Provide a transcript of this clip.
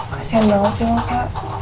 kasian banget sih mbak sa